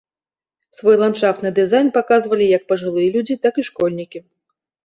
Свой ландшафтны дызайн паказвалі як пажылыя людзі, так і школьнікі.